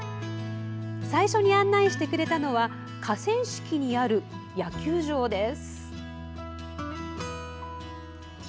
最初に案内してくれたのは河川敷にある野球場です。